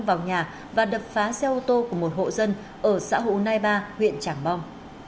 vào nhà và đập phá xe ô tô của một hộ dân ở xã hồ nai ba huyện trảng bom